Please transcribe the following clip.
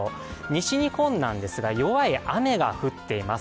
西日本なんですが、弱い雨が降っています。